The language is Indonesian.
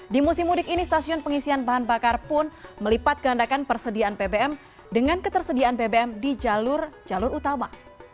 di musim mudik ini stasiun pengisian bahan bakar pun melipat gandakan persediaan pbm dengan ketersediaan bbm di jalur jalur utama